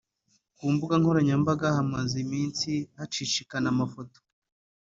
Ku mbuga nkoranyambaga hamaze iminsi hacicikana amafoto